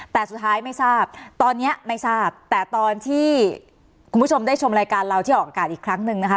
แต่สุดท้ายไม่ทราบตอนนี้ไม่ทราบแต่ตอนที่คุณผู้ชมได้ชมรายการเราที่ออกอากาศอีกครั้งหนึ่งนะคะ